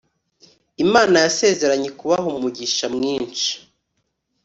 Imana yasezeranye kubaha umugisha mwinshi